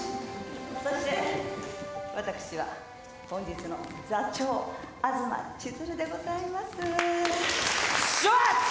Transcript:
そして私は本日の座長東ちづるでございますシュワッチ！